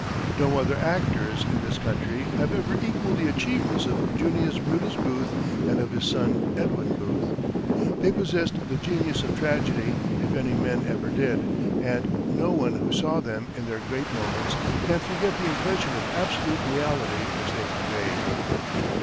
No other actors in this country have ever equalled the achievements of Junius Brutus Booth and of his son, Edwin Booth. They possessed the genius of tragedy, if any men ever did, and no one who saw them in their great moments can forget the impression of absolute reality which they conveyed.